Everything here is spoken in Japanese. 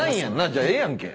じゃあええやんけ。